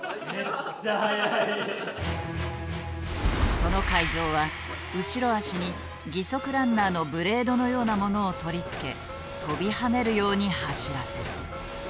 その改造は後ろ足に義足ランナーのブレードのようなものを取り付け飛び跳ねるように走らせる。